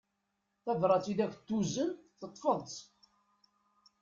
Tabrat i ak-d-tuzen teṭṭfeḍ-tt.